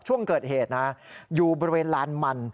ช่วงเกิดเหตุนะอยู่บริเวณลานมัน